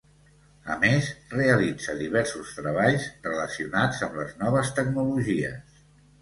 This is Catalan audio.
A més, realitza diversos treballs relacionats amb les noves tecnologies.